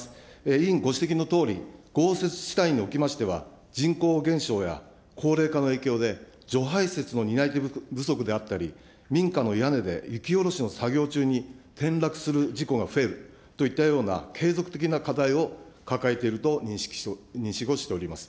委員ご指摘のとおり、豪雪地帯におきましては、人口減少や高齢化の影響で、除排雪の担い手不足であったり、民家の屋根で雪下ろしの作業中に転落する事故が増えるといったような継続的な課題を抱えていると認識をしております。